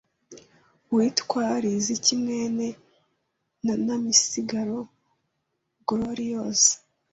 uwitwa Riziki mwene na Namisigaro Goloriyose